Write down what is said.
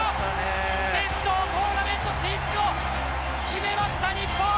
決勝トーナメント進出を決めました、日本！